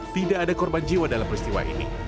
tidak ada korban jiwa dalam peristiwa ini